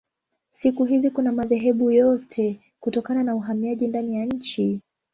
Siku hizi kuna madhehebu yote kutokana na uhamiaji ndani ya nchi.